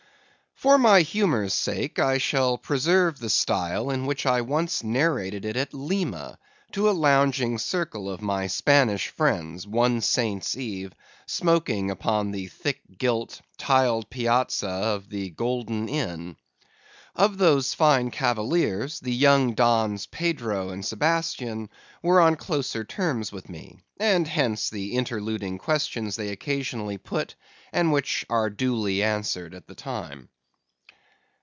For my humor's sake, I shall preserve the style in which I once narrated it at Lima, to a lounging circle of my Spanish friends, one saint's eve, smoking upon the thick gilt tiled piazza of the Golden Inn. Of those fine cavaliers, the young Dons, Pedro and Sebastian, were on the closer terms with me; and hence the interluding questions they occasionally put, and which are duly answered at the time.